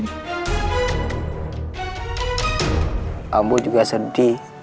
saya juga sedih